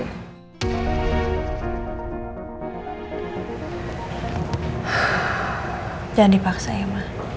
jangan dipaksa ya ma